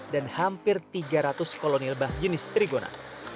dan hampir tiga ratus koloni lebah jenis trigona